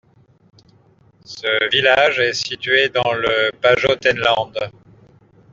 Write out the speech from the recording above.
Ce village est situé dans le Pajottenland.